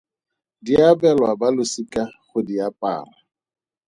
Di abelwa balosika go di apara.